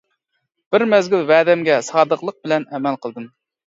بىر مەزگىل ۋەدەمگە سادىقلىق بىلەن ئەمەل قىلدىم.